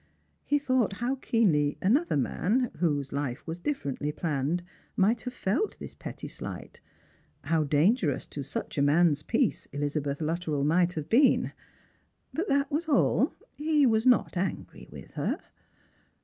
He thought how keenly another man, whose life was differently planned, might have felt this petty slight — how dangerous to such a man's peace Elizabeth Luttrell might have been; but that was all. He was not angry with her.